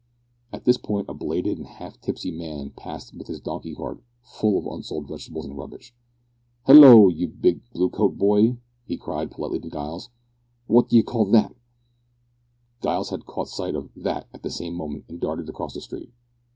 At this point a belated and half tipsy man passed with his donkey cart full of unsold vegetables and rubbish. "Hallo! you big blue coat boy," he cried politely to Giles, "wot d'ye call that?" Giles had caught sight of "that" at the same moment, and darted across the street.